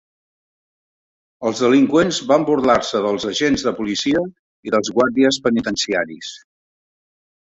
Els delinqüents van burlar-se dels agents de policia i dels guàrdies penitenciaris.